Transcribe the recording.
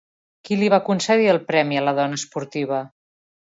Qui li va concedir el Premi a la Dona Esportiva?